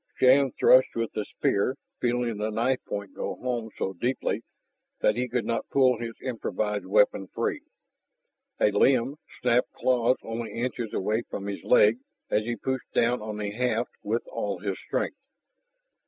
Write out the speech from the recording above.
Shann thrust with the spear, feeling the knife point go home so deeply that he could not pull his improvised weapon free. A limb snapped claws only inches away from his leg as he pushed down on the haft with all his strength.